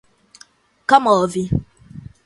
Kamov